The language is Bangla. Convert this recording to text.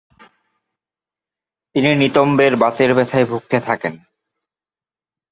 তিনি নিতম্বের বাতের ব্যথায় ভুগতে থাকেন।